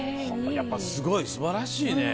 やっぱすごい素晴らしいね。